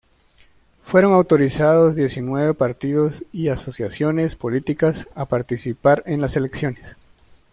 Fueron autorizados diecinueve partidos y asociaciones políticas a participar en las elecciones.